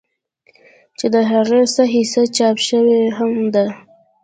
چې د هغې څۀ حصه چاپ شوې هم ده